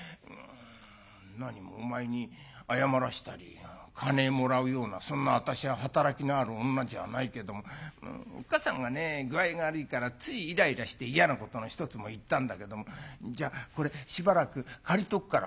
「なにもお前に謝らしたり金もらうようなそんな私は働きのある女じゃないけどもおっかさんがね具合が悪いからついイライラして嫌なことの一つも言ったんだけどもじゃこれしばらく借りとくから」。